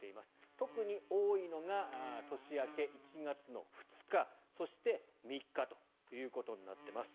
特に多いのが年明け、１月２日、そして３日ということになっています。